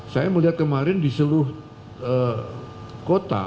saya melihat kemarin di seluruh kota